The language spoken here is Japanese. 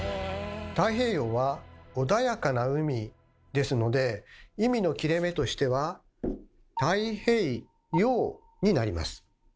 「太平洋」は「穏やかな海」ですので意味の切れ目としては「太平・洋」になります。